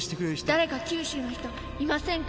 「誰か九州の人いませんか？」